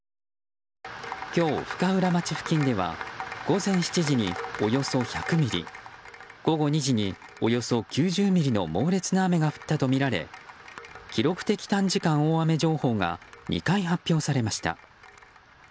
今日、深浦町付近では午前７時におよそ１００ミリ午後２時におよそ８０ミリの猛烈な雨が降ったとみられ記録的短時間大雨情報が２回発表されました。